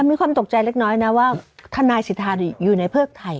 มีความตกใจเล็กน้อยนะว่าทนายสิทธาริอยู่ในเพิกไทย